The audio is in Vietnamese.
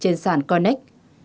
trên sản connect